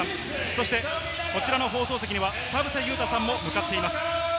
そしてこちらの放送席には田臥勇太さんも向かっています。